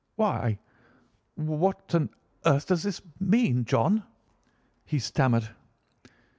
"'Why, what on earth does this mean, John?' he stammered.